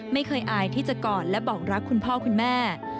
อายที่จะกอดและบอกรักคุณพ่อคุณแม่